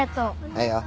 はいよ。